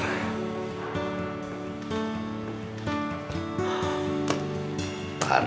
bisa minta waktunya sebentar